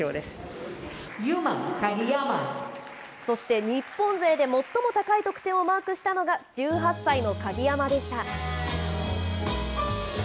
そして、日本勢で最も高い得点をマークしたのが、１８歳の鍵山でした。